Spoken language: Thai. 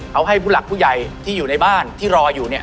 เอาให้ผู้หลักผู้ใหญ่ที่อยู่ในบ้านที่รออยู่เนี่ย